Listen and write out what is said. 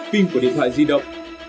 hai pin của điện thoại di động